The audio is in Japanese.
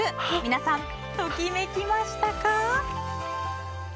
皆さん、ときめきましたか？